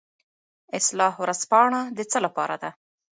اصلاح ورځپاڼه د څه لپاره ده؟